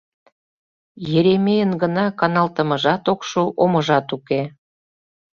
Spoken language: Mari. Еремейын гына каналтымыжат ок шу, омыжат уке.